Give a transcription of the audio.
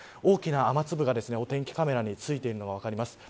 大きな雨粒がお天気カメラに付いているのが分かります。